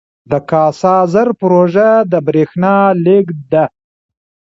د کاسا زر پروژه د بریښنا لیږد ده